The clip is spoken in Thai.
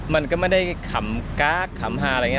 มันก็ไม่ได้ขำก๊ากขำฮาอะไรอย่างนี้